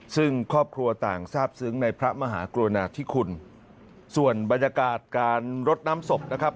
ซึ่งครอบครัวต่างทราบซึ้งในพระมหากรุณาธิคุณส่วนบรรยากาศการรดน้ำศพนะครับ